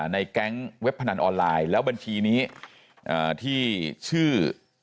ในแก๊งเว็บพนันออนไลน์แล้วบัญชีนี้ที่ชื่อ